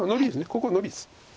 ここはノビです。